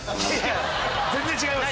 全然違います。